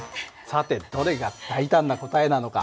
さてどれが大胆な答えなのか。